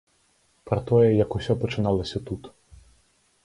Пра тое, як усё пачыналася тут.